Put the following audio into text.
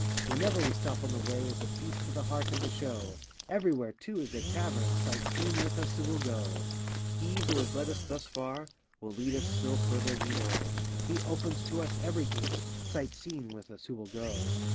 Wherever we stop on the way Is a feast for the heart, and a show; Everywhere, too, is a tavern, Sight seeing with us, who will go? 90 He who has led us thus far Will lead us still further, we know : He opens to us every gate, Sight seeing with us, who will go?